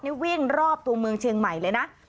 นี่วิ่งรอบตัวเมืองเชียงใหม่เลยนะ